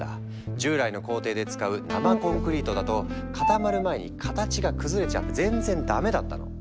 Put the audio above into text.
従来の工程で使う生コンクリートだと固まる前に形が崩れちゃって全然ダメだったの。